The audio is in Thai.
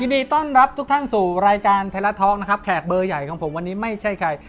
ดีต้อนรับทุกท่านสู่รายการไทยรัฐท็อกนะครับแขกเบอร์ใหญ่ของผมวันนี้ไม่ใช่ใคร